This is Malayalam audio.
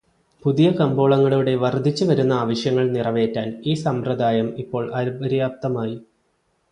പുതിയ കമ്പോളങ്ങളുടെ വർദ്ധിച്ചുവരുന്ന ആവശ്യങ്ങൾ നിറവേറ്റാൻ ഈ സമ്പ്രദായം ഇപ്പോൾ അപര്യാപ്തമായി.